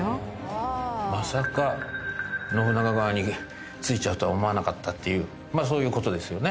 まさか信長側に付いちゃうとは思わなかったっていうそういう事ですよね。